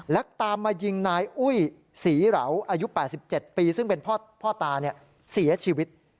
และตามมายิงนายอุ้ยศรีเหลาอายุ๘๗ปีซึ่งเป็นพ่อตาเสียชีวิต